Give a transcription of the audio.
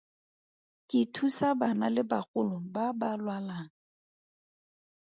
Ke thusa bana le bagolo ba ba lwalang.